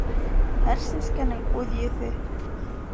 Һәр сәскәнең үҙ еҫе